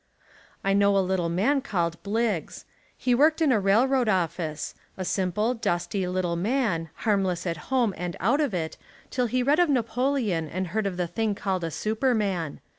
I knew a little man called Bliggs. He worked in a railroad office, a simple, dusty, lit tle man, harmless at home and out of it till he read of Napoleon and heard of the thing called a Superman.